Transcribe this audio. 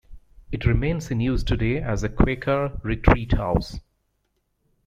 It remains in use today as a Quaker retreat house.